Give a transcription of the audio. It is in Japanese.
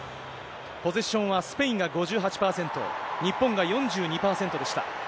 ポゼッションはスペインが５８％、日本が４２％でした。